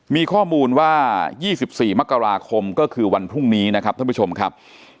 มีข้อมูลว่า๒๔มกราคมก็คือวันพรุ่งนี้นะครับท่านผู้ชมครับ